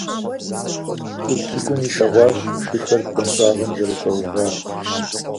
ЛӀыжь цӀыкӀум илъэгъуащ шыхэр бгъуэнщӀагъым зэрыщӀэувар.